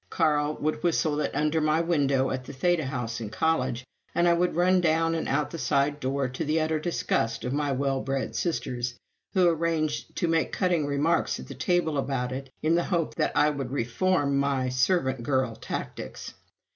Carl would whistle it under my window at the Theta house in college, and I would run down and out the side door, to the utter disgust of my well bred "sisters," who arranged to make cutting remarks at the table about it in the hope that I would reform my "servant girl tactics."